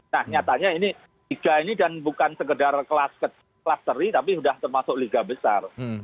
nah nyatanya ini tiga ini dan bukan sekedar kelas seri tapi sudah termasuk liga besar